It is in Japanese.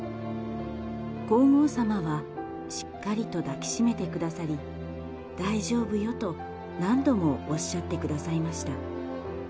皇后さまはしっかりと抱きしめてくださり、大丈夫よと、何度もおっしゃってくださいました。